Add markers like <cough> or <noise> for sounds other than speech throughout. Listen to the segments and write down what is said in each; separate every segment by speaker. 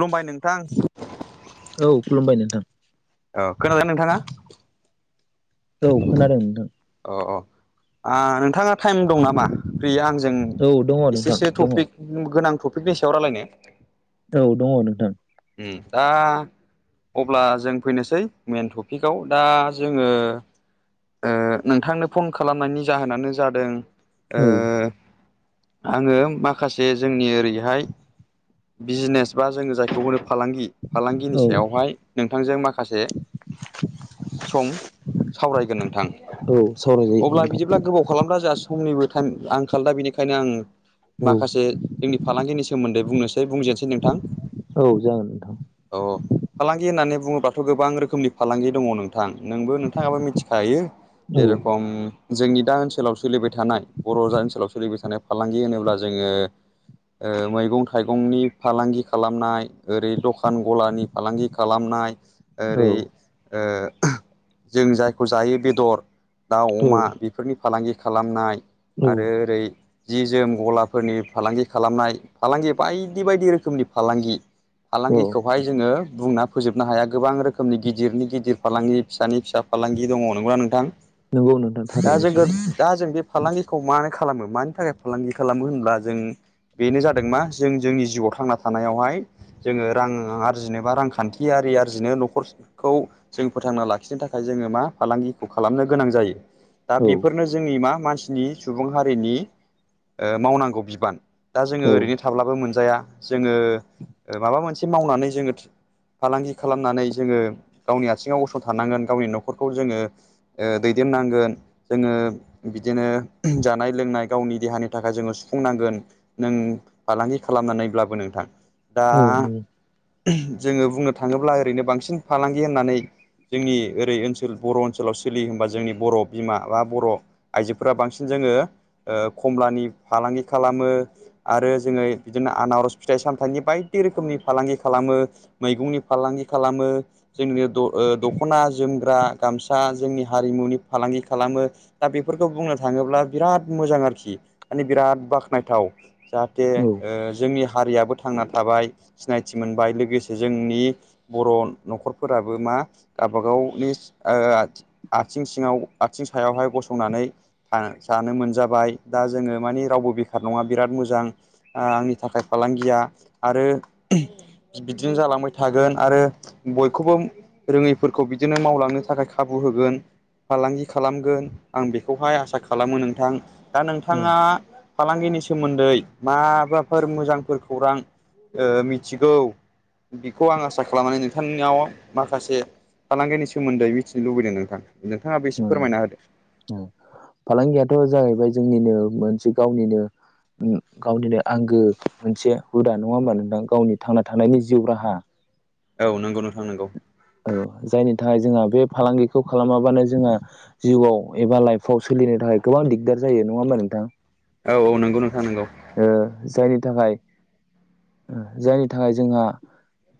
Speaker 1: खुुमबाय नोंथां
Speaker 2: औ खुलुमबाय नोंथां
Speaker 1: औ खोनादों नोंथाङा
Speaker 2: औ खोनादों नोंथां
Speaker 1: अ अ नोंथाङा टाइम दं नामा फ्रिया आंजों
Speaker 2: औ दङ नोंथां
Speaker 1: एसेसो
Speaker 2: दङ औ
Speaker 1: टपिक गोनां टपिकनि सायाव रायलायनो
Speaker 2: औ दङ नोंथां
Speaker 1: दा अब्ला जों फैनोसै मेन टपिकआव दा जोङो नोंथांनो फन खालामनायनि जाहोनानो जादों ओ
Speaker 2: औ
Speaker 1: आङो माखासे जोंनि ओरैहाय बिजिनेस बा जोङो जायखौ होनो फालांगि फालांगिनि
Speaker 2: औ
Speaker 1: सायावहाय नोंथांजों माखासे सम सावरायगोन नोंथां
Speaker 2: औ सावरायजायो
Speaker 1: अब्ला
Speaker 2: नोंथां
Speaker 1: बिदिब्ला गोबाव खालामद जोंहा समनिबो टाइम आंखाल दा बेनिखायनो आङो
Speaker 2: औ
Speaker 1: माखासे जोंनि फालांगिनि सोमोन्दै बुंनोसै बुंजेनसै नोंथां
Speaker 2: औ जागोन नोंथां
Speaker 1: औ फालांगि होननानै बुङोबाथ' गोबां रोखोमनि फालांगि दङ नोंथां नोंबो थाङाबो मिथिखायो
Speaker 2: औ
Speaker 1: जेरखम जोंनि दा ओनसोलाव सोलिबाय थानाय बर' जा ओनसोलाव सोलिबाय थानाय फालांगि होनोब्ला जोङो ओ मैगं थाइगंनि फालांगि खालामनाय ओरै दखान गलानि। फालांगि खालामनाय
Speaker 2: औ
Speaker 1: ओरै ओ। जों जायखौ जायो बेदर दाउ अमा बेफोरनि फालांगि खालामनाय।
Speaker 2: औ
Speaker 1: आरो ओरै। जि जोम गलाफोरनि फालांगि खालामनाय फालांगि बायदि बायदि रोखोमनि फालांगि।
Speaker 2: औ
Speaker 1: फालांगिखौहाय जोङो बुंना फोजोबनो हाया गोबां रोखोमनि गिदिरनि गिदिर फालांगि फिसानि फिसा सा फालांगि दङ' नंगौना नोंथां।
Speaker 2: नंगौ नोंथां
Speaker 1: दा
Speaker 2: थारैनो
Speaker 1: जों
Speaker 2: सैथो
Speaker 1: दा जों बे फालांगिखौ मानो खालामो मानि थाखाय फालांगि खालामो होनब्ला जों बेनो जादों मा जों जोंनि जिउआव थांना थानायावहाय‌ जोङो रां आरजिनो बा रांखान्थियारि आरजिनो न'खरखौ जों फोथांना लाखिनो थाखाय दा जोङो मा फालांगिखौ खालामनो गोनां जायो। दा बेफोरनो जोंनि मा मानसिनि सुबुं हारिनि ओ मावनांगौ बिबान दा जोङो
Speaker 2: औ
Speaker 1: ओरैनो
Speaker 2: नंगौ
Speaker 1: थाब्लाबो मोनजाया जोङो ओ माबा मोनसे मावनानै जोङो। फालांगि खालामनानै जोङो गावनि आथिङाव गसंथानांगोन गावनि न'खरखौ जोङो। ओ दैदेननांगोन। जोङो बिदिनो जानाय लोंनाय गावनि देहानि थाखाय जोङो सुफुंनांगोन। नों फालांगि खालामनानैब्लाबो नोंथां दा।
Speaker 2: औ
Speaker 1: जोङो बुंनो थाङोब्ला ओरैनो बांसिन फालांगि होननानै जोंनि। ओरै ओनसोल बर' ओनसोलाव सोलियो होनोमबा जोंनि बर' बिमा बा बर' आइजोफोरा बांसिन जोङो। ओ खमलानि फालांगि खालामो। आरो जोङो बिदिनो आनारस फिथाइ सामथाइनि बायदि रोखोमनि फालांगि खालामो। मैगंनि फालांगि खालामो जोंनि द ओ दख'ना जोमग्रा गामसा जोंनि हारिमुनि फालांगि खालामो। दा बेफोरखौ बुंनो थाङोब्ला बिराद मोजां आरोखि माने बिराद बाख्नायथाव जाहा जे
Speaker 2: उम
Speaker 1: ओ जोंनि हारियाबो थांना थाबाय सिनायथि मोनबाय लोगोसे जोंनि बर' न'खरफोराबो मा गावबागावनि ओ आथिं सिङाव आथिं सायावहाय गसंनानै आ जानो मोनजाबाय दा जोङो माने रावबो बेखार नङा। बिराद मोजां आ आंनि थाखाय फालांगिया आरो बिदिनो जालांबाय थागोन आरो बयखौबो रोङैफोरखौ बि बिदिनो मावलांनो थाखाय खाबु होगोन। फालांगि खालामगोन आं बेखौहाय आसा खालामो नोंथां। दा नोंथाङा फालांगिनि सोमोन्दै माबाफोर मोजांफोर खौरां ओ मिथिगौ बेखौ आं आसा खालामनानै नोंथांनियाव माखासे फालांगिनि सोमोन्दै मिथिनो लुबैदों नोंथां नोंथाङाबो एसे फोरमायना होदो
Speaker 2: फालांगियाथ' जाहैबाय जोंनिनो मोनसे गावनिनो उम गावनिनो आंगो मोनसे हुदा नङा होमबा नोंथां गावनि थांना थानायनि जिउ राहा।
Speaker 1: औ नोंगौ नोंथां नोंगौ।
Speaker 2: औ जायनि थाखाय जोंहा बे फालांगिखौ खालामाबानो जोंहा जिउआव एबा लाइफ फाव सोलिनो थाखाय गोबां दिगदार जायो नङा होमबा नोंथां।
Speaker 1: औ औ नंगौ नोंथां नंगौ।
Speaker 2: ओ जायनि थाखाय जायनि थाखाय जोंहा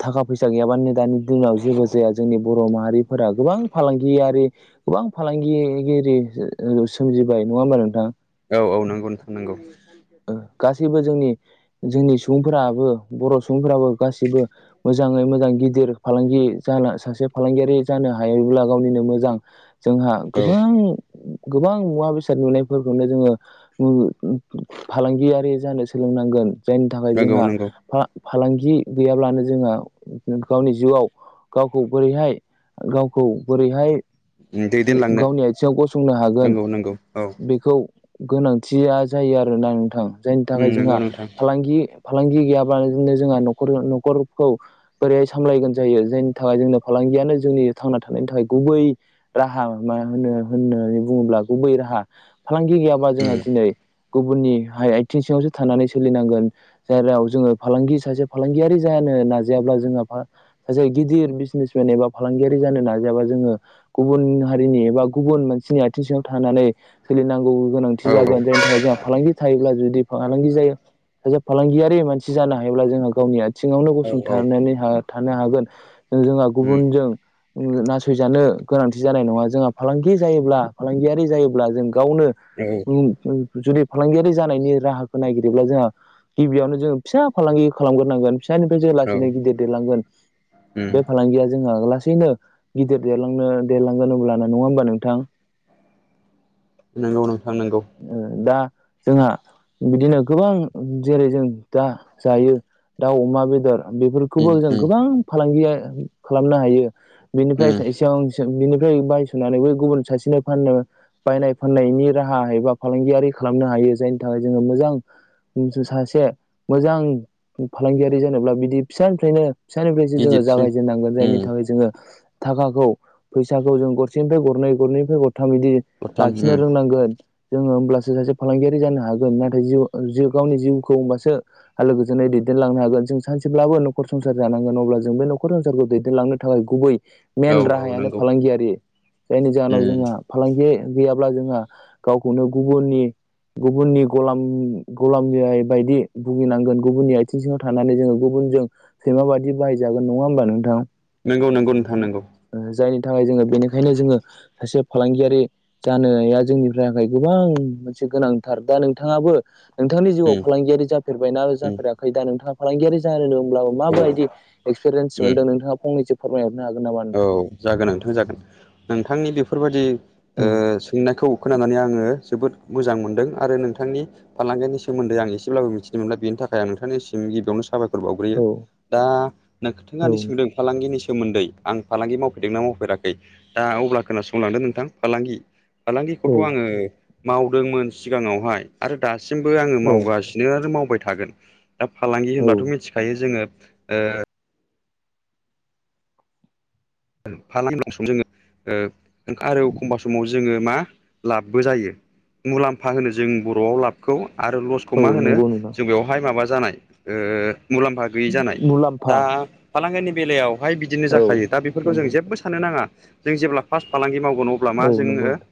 Speaker 2: थाखा फैसा गैयाबानो दानि दिनाव जेबो जाया जोंनि बर' माहारिफोरा गोबां फालांगियारि गोबां फालांगिगिरि ओ सोमजिबाय नङा होमबा नोंथां।
Speaker 1: औ औ नंगौ नोंथां नंगौ।
Speaker 2: ओ गासैबो जोंनि जोंनि सुबुंफोराबो बर' सुबुंफोराबो गासैबो मोजाङै मोजां गिदिर फालांगि जाना सासे फालांगियारि जानो हायोब्ला गावनिनो मोजां। जोंहा
Speaker 1: औ
Speaker 2: गोबां गोबां मुवा बेसाद नुनायफोरखौनो जोङो फालांगियारि जानो सोलोंनांगोन जायनि थाखाय
Speaker 1: नंगौ
Speaker 2: जोंहा
Speaker 1: नंगौ
Speaker 2: फा-फालांगि गैयाब्लानो जोंहा गावनि जिउआव गावखौ बोरैहाय गावखौ बोरैहाय
Speaker 1: दैदेनलांनो
Speaker 2: गावनि आथिङाव गसंनो हागोन
Speaker 1: नंगौ नंगौ औ
Speaker 2: बेखौ गोनांथिया जायो आरोना नोंथां जायनि थाखाय
Speaker 1: नंगौ
Speaker 2: जोंहा
Speaker 1: नोंथां
Speaker 2: फालांगि फालांगि गैयाब्लानो जोंहा न'खर न'खरखौ बोरै सामलायगोन जायो जायनि थाखाय जोंनो फालांगियानो जोंनि थांना थानायनि थाखाय गुबै राहा मा होनो होननानै बुङोब्ला गुबै राहा फालांगि गैयाबा जोंहा दिनै गुबुननि हाय आइथिं सिंङावसो थानानै सोलिनांगोन। जायराव जोङो फालांगि सासे फालांगियारि जानो नाजायाब्ला जोंहा मा सासे गिदिर बिजनेसमेन एबा फालांगियारि जानो नाजायाबा जोङो गुबुन हारिनि एबा गुबुन मानसिनि आइथिं सिङाव थानानै सोलिनांगौ गोनांथि
Speaker 1: औ
Speaker 2: जागोन जायनि थाखाय जोंहा फालांगि थायोब्ला जुदि फालांगि जायो सासे फालांगियारि मानसि जानो हायोब्ला जोंहा गावनि आ सिङावनो
Speaker 1: औ औ
Speaker 2: गसंथानै थानो हागोन जोंहा गुबुनजों नासयजानो गोनांथि जानाय नङा। जोंहा फालांगि जायोब्ला फालांगियारि जायोब्ला जों गावनो
Speaker 1: औ
Speaker 2: जुदि - फालांगियारि जानायनि राहाखौ नागिरोब्ला जोंहा गिबियावनो जोङो फिसा फालांगि खालामग्रोनांगोन। फिसानिफ्राय जोङो
Speaker 1: औ
Speaker 2: लासैनो गिदिर देरलांगोन बे फालांगिया जोंहा लासैनो गिदिर देरलांनो देरलांगोन अब्लानो नङा होमबा नोंथां।
Speaker 1: नंगौ नोंथां नंगौ।
Speaker 2: ओ दा जोंहा बिदिनो गोबां जेरै जों दा जायो दाउ अमा बेदर बेफोरखौबो जों गोबां फालांगिया खालामनो हायो बेनिफ्राय एसेबां बिनिफ्राय बायस'नानै बै गुबुन सासेनो फाननो बायनाय फाननायनि राहा हा एबा फालांगियारि खालामनो हायो जायनि थाखाय जोङो मोजां जुनथु सासे मोजां फालांगियारि जानोब्ला बिदि फिसानिफ्रायनो फिसानिफ्रायसो जोङो
Speaker 1: गिदिरसिम
Speaker 2: जागायजेननांगोन जायनि थाखाय जोङो थाखाखौ फैसाखौ जों गरसेनिफ्राय गरनै गरनैनिफ्राय गरथाम बिदि
Speaker 1: हरथाम
Speaker 2: लाखिनो रोंनांगोन। जोङो होमब्लासो सासे फालांगियारि जानो हागोन नाथाय जिउ गावनि जिउखौ होमबासो आलो गोजोनै दैदेनलांनो हागोन जों सानसेब्लाबो नखर संसार जानोन अब्ला जों बे न'खर संसारखौ दैदेनलांनो थाखाय गुबै मेन
Speaker 1: औ औ
Speaker 2: राहायानो
Speaker 1: नंगौ
Speaker 2: फालांगियारि जायनि जाहोनाव जोंहा
Speaker 1: नंगौ
Speaker 2: फालांगि गैयाब्ला जोंहा गावखौनो गुबुननि गुबुननि गलाम गलाम बायदि भुगिनांगोन गुबुननि आइथिं सिङाव थानानै जोङो गुबुन जों सैमा बायदि बाहायजागोन नङा होमबा नोंथाङा?
Speaker 1: नंगौ नंगौ नोंथां
Speaker 2: ओ
Speaker 1: नंगौ
Speaker 2: जायनि थाखाय जोङो बेनिखायनो जोङो सासे फालांगियारि जानाया जोंनिफ्राय गोबां मोनसे गोनांथार दा नोंथाङाबो नोंथांनि जिउआव फालांगियारि जाफेरबायना जाफेराखै दा नोंथाङा फालांगियारि जानो होनब्ला माबायदि एक्सपिरियेन्स
Speaker 1: औ
Speaker 2: मोनदों नोंथाङा फंनैसो फोरमायहरनो हागोन नामा
Speaker 1: औ
Speaker 2: नोंथां।
Speaker 1: जागोन नोंथां जागोन नोंथांनि बेफोरबायादि
Speaker 2: औ
Speaker 1: ओ सोंनायखौ खोनानानै आङो जोबोद मोजां मोनदों आरो नोंथांनि फालांगिनि सोमोन्दै आं एसेब्लाबो मिथिनो मोनला बेनि थाखाय आं नोंथांनिसिम गिबियावनो साबायख खर बावग्रोयो
Speaker 2: औ
Speaker 1: दा नोंथाङा दि सोंदों फालांगिनि सोमोन्दै। आं फालांगि मावफेरदोंना मावफेराखै दा अब्ला खोनासंलांदों नोंथां फालांगि
Speaker 2: औ
Speaker 1: फालांगिखौथ' आङो मावदोंमोन सिगाङावहाय आरो दासिमबो आङो
Speaker 2: औ
Speaker 1: मावगासिनो आरो मावबाय थागोन दा फालांगि
Speaker 2: औ
Speaker 1: होनबाथ' मिथि खायो जोङो ओ <inaudible> ओ आरो एखमबा समाव जोङो मा लाबबो जायो। मुलाम्फा होनो जों बर'आव लाबखौ आरो ल'स खौ
Speaker 2: औ
Speaker 1: मा होनो
Speaker 2: नंगौ नोंथां
Speaker 1: जों बेवहाय माबा जानायो ओ मुलाम्फा गैयि जानाय
Speaker 2: मुलाम्फा
Speaker 1: दा फालांगिनि बेलायावहाय बिदिनो
Speaker 2: औ
Speaker 1: जाखायो दा बेफोरखौ जों
Speaker 2: नंगौ
Speaker 1: जेबबो साननो नाङा जों जेब्ला फारस फालांगि मावगोन अ अब्ला मा
Speaker 2: औ नंगौ
Speaker 1: जोंङो
Speaker 2: नोंथां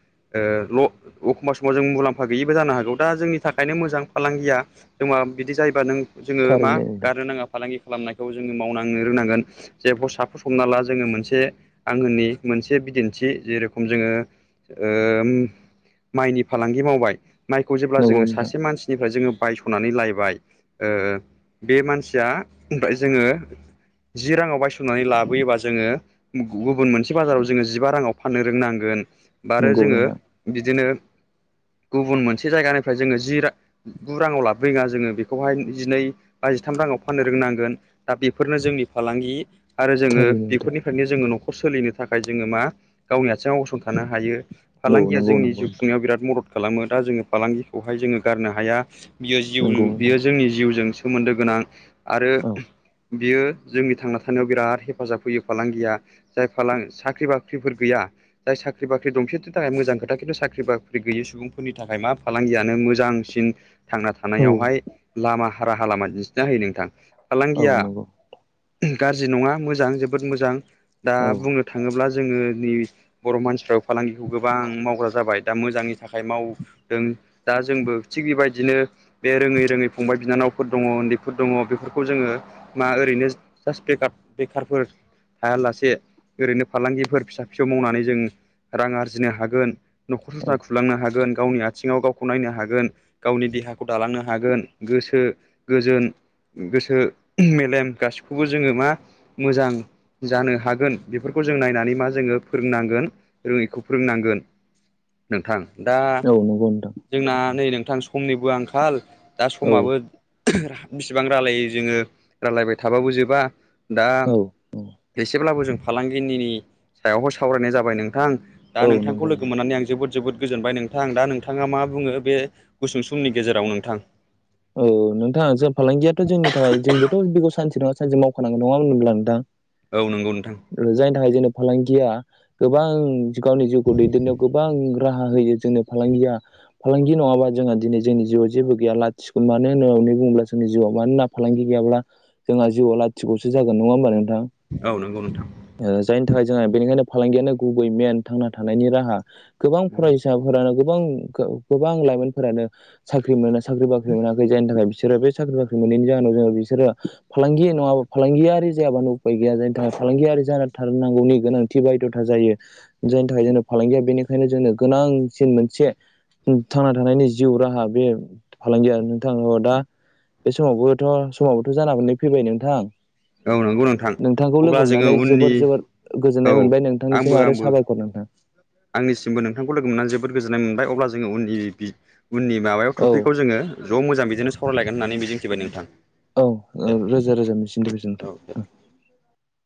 Speaker 1: ल' उखुमा समाव जों मुलाम्फा गैयिबो जानो हागौ दा जोंनि थाखायनो मोजां फालांगिया जोंबा बिदि जायोबा नों जोंङो मा
Speaker 2: थारैनो
Speaker 1: गारनो नाङा फालांगि खालामनायखौ जोंङो मावनांनो रोंनांगोन जे साफस सना ला जोंङो मोनसे आंगोनि मोनसे बिदिन्थि जेरखम जोंङो ओम माइनि फालांगि मावबाय माइखौ जेब्ला जोंङो
Speaker 2: नोंथां
Speaker 1: सासे मानसि। निफ्राय जोंङो बायस'नानै लायबाय ओ बे मानसिया ओमफ्राय जोंङो। जि रांङाव बायस'नानै लाबोयोबा। जोंङो गुबुन मोनसे बाजाराव जोंङो जिबा रांङाव फाननो रोंनांगोन बा
Speaker 2: नंगौ नोंथां
Speaker 1: आरो
Speaker 2: नंगौ
Speaker 1: जोंङो।
Speaker 2: नोंथां
Speaker 1: बिदिनो गुबुन मोनसे जायगानिफ्राय जोंङो जि रा गु रांङाव लाबोयोङा जोंङो बेखौहाय जिनै बा जिथाम रांङाव फाननो रोंनांगोन। दा बेफोरनो जोंनि फालांगि आरो जोंङो।
Speaker 2: थारैनो नोंथां
Speaker 1: निफ्रायनो जोंङो न'खर सोलिनो थाखाय जोंङो मा गावनि आथिङाव गसंथानो हायो।
Speaker 2: औ
Speaker 1: फालांगिया
Speaker 2: नंगौ
Speaker 1: जोंनि
Speaker 2: नंगौ
Speaker 1: जिउ
Speaker 2: नोंथां
Speaker 1: खुंनायाव बिराद मदद खालामो दा जोंङो फालांगिखौहाय जोंङो गारनो हाया। बियो जिउ
Speaker 2: नंगौ
Speaker 1: बियो
Speaker 2: नोंथां
Speaker 1: जोंनि जिउजों सोमोन्दो गोनां आरो
Speaker 2: औ
Speaker 1: बियो जोंनि थांना थानायाव बिराद हेफाजाब होयो फालांगिया जाय फालां साख्रि बाख्रिफोर गैया जाय साख्रि बाख्रि दंसेनि थाखाय मोजां खोथा खिन्थु साख्रि बाख्रि गैयै सुबुंफोरनि थाखाय मा फालांगियानो मोजां। सिन। थांना
Speaker 2: औ
Speaker 1: थानायावहाय लामा राहालामा दिन्थिना होयो नोंथां फालांगिया।
Speaker 2: औ नंगौ
Speaker 1: गाज्रि नंङा मोजां जोबोद मोजां दा
Speaker 2: औ
Speaker 1: बुंनो थाङोब्ला जोंङो नि बर' मानसिफ्रा फालांगिखौ गोबां मावग्रा जाबाय दा मोजाङै। थाखाय मावदों दा जोंबो थिग बेबायदिनो। बे रोंङै रोंङै फंबाय बिनानावफोर दङ उन्दैफोर दङ बेफोरखौ जोंङो। मा ओरैनो जास्ट बेखार बेखारफोर। थायालासे ओरैनो फालांगिफोर फिसा फिसौ मावनानै जों रां आरजिनो हागोन। न'खर संसार
Speaker 2: औ
Speaker 1: खुलांनो हागोन गावनि आथिङाव गाव। गावखौ नायनो हागोन गावनि देहाखौ दालांनो हागोन गोसो गोजोन। गोसो मेलेम गासिखौबो जोंङो मा मोजां। जानो हागोन बेफोरखौ जों नायनानै मा जोंङो फोरोंनांगोन रोंङैखौ फोरोंनांगोन। नोंथां दा
Speaker 2: औ नंगौ नोंथां
Speaker 1: जोंना नै नोंथां समनिबो आंखाल। दा
Speaker 2: औ
Speaker 1: समाबो बिसिबां रायलायो जोंङो रायलायबाय थाबाबो जोबा। दा
Speaker 2: औ
Speaker 1: एसेब्लाबो जों फालांगिनि सायावहाय सावरायनाय जाबाय नोंथां। दा नोंथांखौ
Speaker 2: नंगौ
Speaker 1: लोगो
Speaker 2: नंगौ
Speaker 1: मोननानै जोबोद जोबोद गोजोनदों नोथां आं दा नोंथाङा मा बुङो बे गुसुं समनि गेजेराव नोंथां।
Speaker 2: ओ ओ नोंथाङा जों फालांगियाथ' जोंनि थाखाय जोंबोथ' बेखौ सानसे नङा सानसे मावखा नांगौ नङा होनब्ला नोंथां।
Speaker 1: औ नंगौ नोंथां।
Speaker 2: जायनि थाखाय जोंनो फालांगिया गोबां। गावनि जिउखौ दैदेननायाव गोबां राहा होयो जोंनो। फालांगिया फालांगि नङाबा जोंहा दिनै जोंनि जिउआव जेबो गैया। स्कुल मानो होन होननानै बुङोब्ला जोंनि जिउआव मानोना फालांगि गैयाब्ला। जोंहा जिउआव लाथिख'सो जागोन नङा होनबा नोंथां।
Speaker 1: औ नंगौ नोंथां।
Speaker 2: ओ जायनि थाखाय जोंहा बेनिखायनो फालांगियानो गुबै मेन थांना थानायनि राहा गोबां फरायसायाबो। फोरानो गोबां गोबां लाइमोनफोरानो साख्रि मोनो साख्रि बाख्रि मोनाखै जायनि थाखाय बिसोरो बे। साख्रि बाख्रि मोनैनि जाहोनाव जोंङो बिसोरो। फालांगि नङाबा फालांगियारि जायाबानो उफाय गैया जायनि थाखाय फालांगियारि जानो थारनांगौनि गोनां थि बायध'था जायो जायनि थाखाय जों फालांगिया बेनिखायनो जोंनो गोनांसिन मोनसे। उम थांना थानायनि जिउ राहा बे फालांगि आरो नोंथां दा बे समावबोथ' समावबोथ' जानानै फैबाय नोंथां
Speaker 1: औ नंगौ नोंथां
Speaker 2: नोंथांखौ
Speaker 1: अब्ला
Speaker 2: लोगो
Speaker 1: जोङो
Speaker 2: हमनानै
Speaker 1: उननि
Speaker 2: जोबोर जोबोर
Speaker 1: औ
Speaker 2: गोजोननाय मोनबाय नोंथांनिसिम
Speaker 1: आंबो
Speaker 2: आरो
Speaker 1: आंबो
Speaker 2: साबायख ख नों
Speaker 1: आंनिसिमबो नोंथांखौ लोगो मोननानै जोबोद गोजोननाय मोनबाय अब्ला जोङो उननि बि उननि माबायाव
Speaker 2: औ
Speaker 1: टपिकखौ जोङो ज' मोजां बिदिनो सावरायलायगोन होननानै मिजिंथिबाय नोंथां।
Speaker 2: औ ओ
Speaker 1: दे
Speaker 2: रोजा रोजा गोजोन्थों।
Speaker 1: <inaudible>